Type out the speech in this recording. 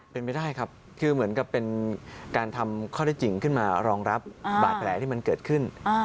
เป็นไปได้ครับคือเหมือนกับเป็นการทำข้อได้จริงขึ้นมารองรับบาดแผลที่มันเกิดขึ้น